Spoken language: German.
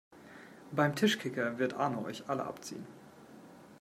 Beim Tischkicker wird Arno euch alle abziehen!